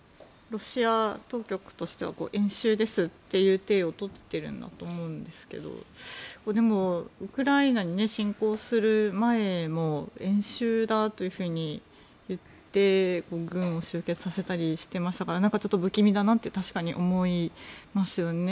ロシア当局としては演習ですという体を取っているんだと思うんですけどでもウクライナに侵攻する前も演習だと言って軍を集結させたりしていましたから不気味だなと確かに思いますよね。